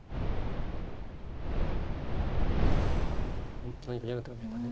うん何か嫌な手が見えたね。